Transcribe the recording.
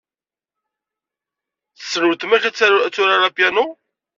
Tessen ultma k ad turar piano?